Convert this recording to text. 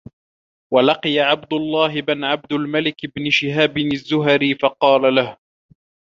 وَلَقِيَ عَبْدُ اللَّهِ بْنُ عَبْدِ الْمَلِكِ ابْنَ شِهَابٍ الزُّهْرِيَّ فَقَالَ لَهُ